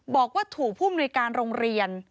บอกว่าถูกผู้มนุยการโรงเรียน